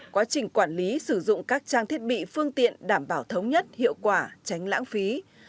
quá trình quản lý sử dụng các trang thiết bị phương tiện đảm bảo thống nhất hiệu quả tránh lãng phí